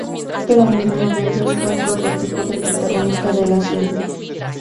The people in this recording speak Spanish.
Pero ninguno de ellos fue el prototipo del protagonista de la serie.